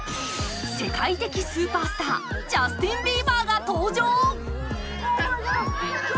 世界的スーパースター、ジャスティン・ビーバーが登場。